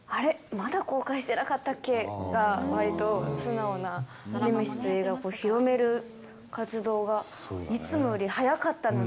まだ公開してなかったっけがわりと素直な、ネメシスという映画を広める活動がいつもより早かったので。